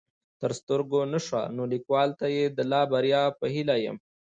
تر سترګو نه شوه نو ليکوال ته يې د لا بريا په هيله يم